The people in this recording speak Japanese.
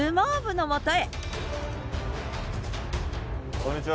こんにちは。